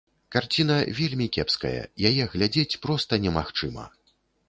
Карціна вельмі кепская, яе глядзець проста немагчыма.